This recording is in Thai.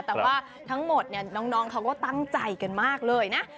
แต่ว่าทั้งหมดเนี่ยน้องเขาก็ตั้งใจกันมากเลยนะ